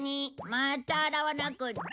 また洗わなくっちゃ。